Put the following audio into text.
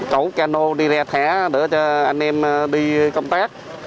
cẩu cano đi ra thẻ đỡ cho anh em đi công tác